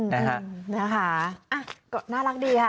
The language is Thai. นะคะก็น่ารักดีค่ะ